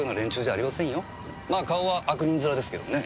まあ顔は悪人面ですけどね。